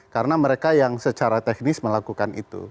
karena mereka yang secara teknis melakukan itu